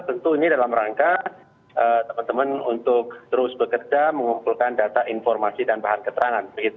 tentu ini dalam rangka teman teman untuk terus bekerja mengumpulkan data informasi dan bahan keterangan